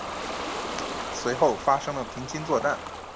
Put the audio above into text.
随后发生了平津作战。